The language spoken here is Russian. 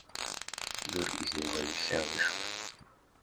Дурь из него не вся вышла.